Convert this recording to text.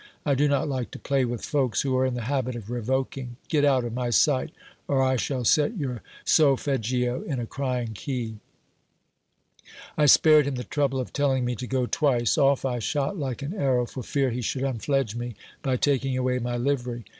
I do not like to play with folks who are in the habit of revoking. Get out of my sight, or I shall set your solfeggio in a crying key. I spared him the trouble of telling me to go twice. Off" I shot like an arrow, fcr fear he should unfledge me, by taking away my livery.